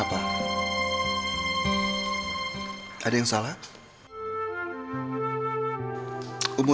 aku akan menemukanmu